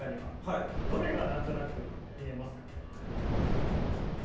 どれが何となく見えますか。